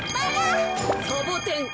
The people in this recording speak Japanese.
サボテン。